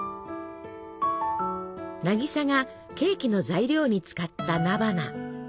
渚がケーキの材料に使った菜花。